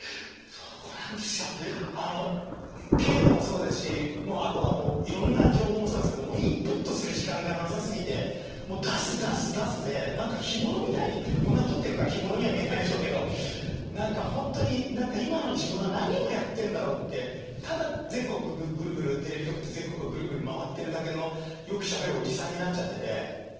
そこなんですよ稽古もそうですしあとはいろんな情報もそうなんですけどインプットする時間がなさすぎて出す出す出すで干物みたいにこんな太ってるから干物には見えないでしょうけど何かほんとに何か今の自分は何をやってんだろうってただ全国グルグルテレビ局と全国をグルグル回ってるだけのよくしゃべるおじさんになっちゃっててここはちょっと今きついっすね。